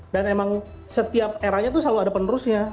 dan emang setiap eranya tuh selalu ada penerusnya